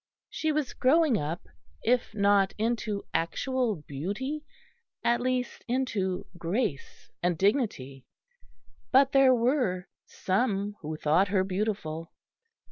She was growing up, if not into actual beauty, at least into grace and dignity: but there were some who thought her beautiful.